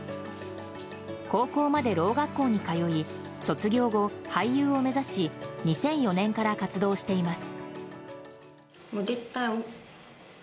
高校まで、ろう学校に通い卒業後、俳優を目指し２００４年から活動しています。